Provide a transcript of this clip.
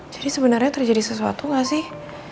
jadi sebenarnya terjadi sesuatu gak sih